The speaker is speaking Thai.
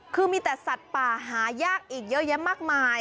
คือมีแต่สัตว์ป่าหายากอีกเยอะแยะมากมาย